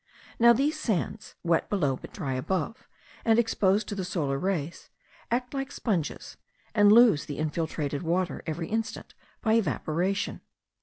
Now these sands, wet below, but dry above, and exposed to the solar rays, act like sponges, and lose the infiltrated water every instant by evaporation.